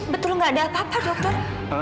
betul nggak ada apa apa dokter